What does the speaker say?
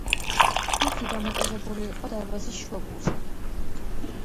ბურთი დამონტაჟებული იყო დარბაზის შუაგულში.